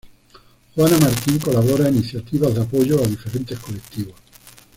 Juana Martín colabora en iniciativas de apoyo a diferentes colectivos.